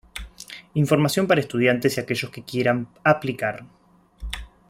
Información para estudiantes y aquellos que quieran aplicar.